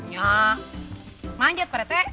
ya manjat pak rete